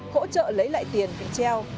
hỗ trợ lấy lại tiền bị treo